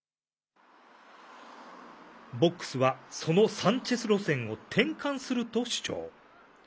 ボックスはそのサンチェス路線を転換すると主張。